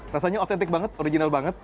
rasanya otentik banget original banget